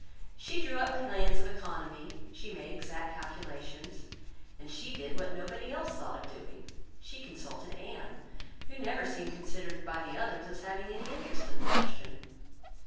She drew up plans of economy, she made exact calculations, and she did what nobody else thought of doing: she consulted Anne, who never seemed considered by the others as having any interest in the question.